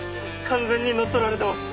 完全に乗っ取られてます。